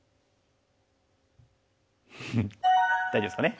フフッ大丈夫ですかね？